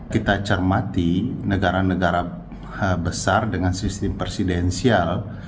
kita cermati negara negara besar dengan sistem presidensial